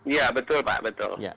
ya betul pak betul